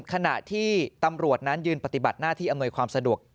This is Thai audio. ขณะที่ตำรวจนั้นยืนปฏิบัติหน้าที่อำนวยความสะดวก